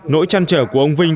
nỗi trăn trở của ông vinh